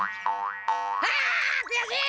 あくやしい！